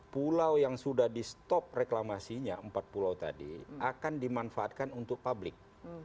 pulau yang sudah di stop reklamasinya empat pulau tadi akan dimanfaatkan untuk publik